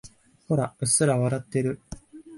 ほら、うっすら笑ってる。